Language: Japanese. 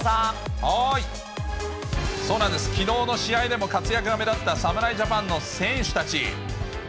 そうなんです、きのうの試合でも活躍が目立った侍ジャパンの選手たち。